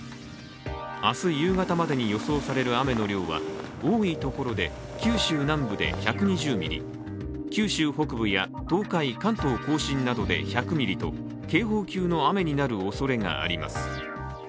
明日夕方までに予想される雨の量は、多いところで九州南部で１２０ミリ、九州北部や東海、関東甲信などで１００ミリと警報級の雨になるおそれがあります。